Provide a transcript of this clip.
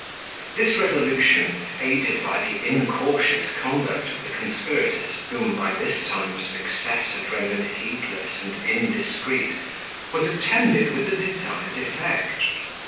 This resolution, aided by the incautious conduct of the conspirators, whom, by this time, success had rendered heedless and indiscreet, was attended with the desired effect.